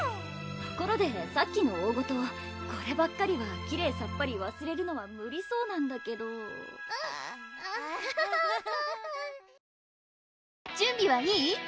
ところでさっきの大ごとこればっかりはきれいさっぱりわすれるのは無理そうなんだけどアアハハハハ